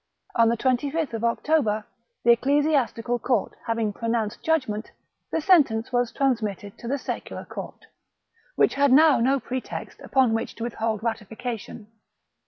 On the 25th October, the ecclesiastical court having pronounced judgment, the sentence was transmitted to the secular court, which had now no pretext upon which to withhold ratification.